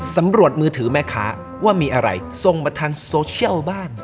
มือถือแม่ค้าว่ามีอะไรส่งมาทางโซเชียลบ้าง